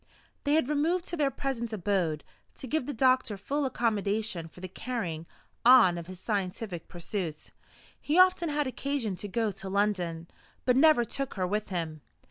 They had removed to their present abode, to give the doctor full accommodation for the carrying on of his scientific pursuits. He often had occasion to go to London; but never took her with him.